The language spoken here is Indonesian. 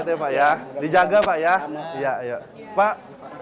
terima kasih pak